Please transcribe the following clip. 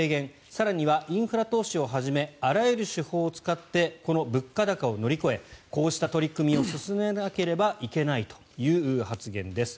更にはインフラ投資を始めあらゆる手法を使ってこの物価高を乗り越えこうした取り組みを進めなければいけないという発言です。